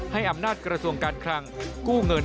ให้อำนาจกระทรวงการคลังกู้เงิน